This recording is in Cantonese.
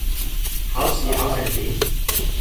考試考成點?